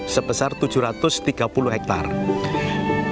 sebesar tujuh ratus tiga puluh hektare